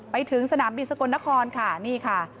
ไปถึงสนามบินสกลนครค่ะนี่ค่ะ